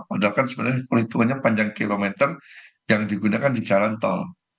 padahal kan sebenarnya perhitungannya panjang kilometer yang digunakan di jalan tol